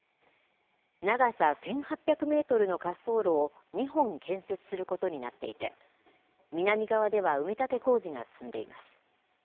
長さ１８００メートルの滑走路を２本建設することになっていて、南側では埋め立て工事が進んでいます。